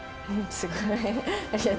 すごい。